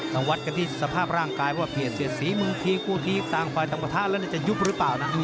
มาวัดกันที่สภาพร่างกายว่าเปลี่ยนเสียดสีเมืองทีคู่นี้ต่างฝ่ายต่างประทะแล้วจะยุบหรือเปล่านะดู